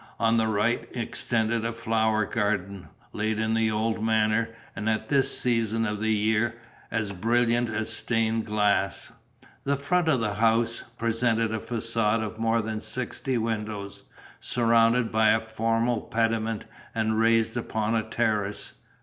On the right extended a flower garden, laid in the old manner, and at this season of the year, as brilliant as stained glass. The front of the house presented a facade of more than sixty windows, surmounted by a formal pediment and raised upon a terrace.